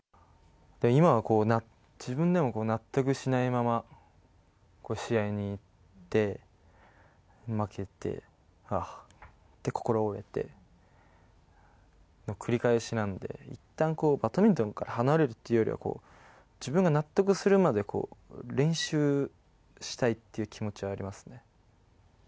今は自分でも納得しないまま、試合に行って負けて、はぁって心折れて、繰り返しなんで、いったんバドミントンから離れるというよりは、自分が納得するまで練習したいっていう気持ちはありますね。